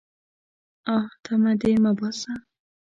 _اه! تمه دې مه باسه.